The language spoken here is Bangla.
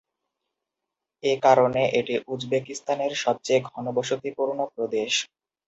এ কারণে এটি উজবেকিস্তানের সবচেয়ে ঘনবসতিপূর্ণ প্রদেশ।